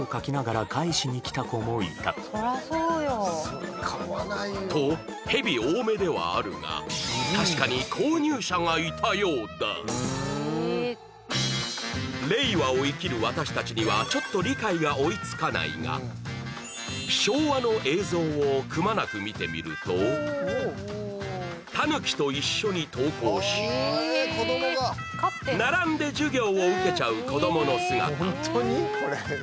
そこにはとヘビ多めではあるが確かに購入者がいたようだ令和を生きる私たちにはちょっと理解が追いつかないが昭和の映像をくまなく見てみるとタヌキと一緒に登校し並んで授業を受けちゃう子どもの姿